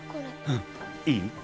うんいい？